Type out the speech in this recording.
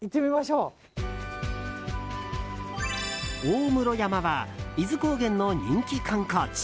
大室山は伊豆高原の人気観光地。